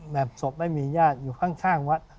ศพไม่มีญาติอยู่ข้างวัด